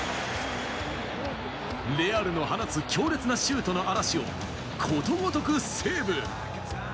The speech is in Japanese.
レアルの放つ強烈なシュートの嵐をことごとくセーブ。